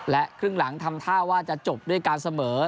ครึ่งหลังทำท่าว่าจะจบด้วยการเสมอ